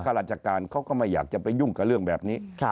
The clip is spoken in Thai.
ราชการเขาก็ไม่อยากจะไปยุ่งกับเรื่องแบบนี้